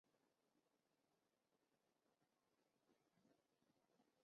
粘蓼为蓼科蓼属下的一个种。